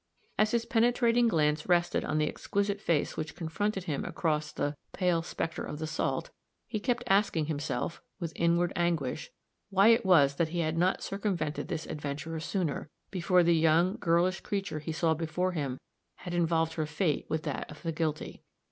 As his penetrating glance rested on the exquisite face which confronted him across the "pale specter of the salt," he kept asking himself, with inward anguish, why it was that he had not circumvented this adventurer sooner, before the young, girlish creature he saw before him had involved her fate with that of the guilty.